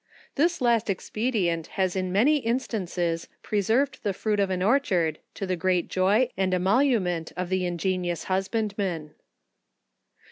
This last ex pedient has in many instances preserved the fruit of an orchard, to the great joy and emolument of the ingenious husbandman.